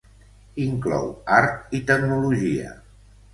Inclou art i tecnologia.